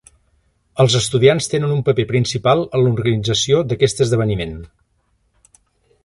Els estudiants tenen un paper principal en l'organització d'aquest esdeveniment.